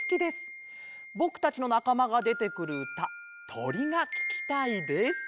ぼくたちのなかまがでてくるうた『とり』がききたいです」。